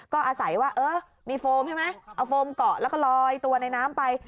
ก็อาศัยว่าเออมีโฟมใช่ไหมเอาโฟมเกาะแล้วก็ลอยตัวในน้ำไป